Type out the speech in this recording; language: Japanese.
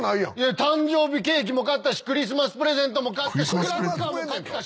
誕生日ケーキも買ったしクリスマスプレゼントも買ったしクラッカーも買ったし。